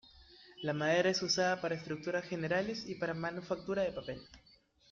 La madera es usada para estructuras generales y para manufactura de papel.